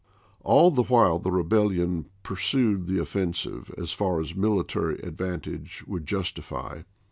All the while the rebellion pursued the offensive as far as military advantage would jus tify.